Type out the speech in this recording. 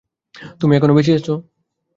তুমি এখনো বেঁচে আছো।